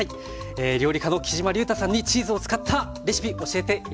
料理家のきじまりゅうたさんにチーズを使ったレシピ教えて頂きました。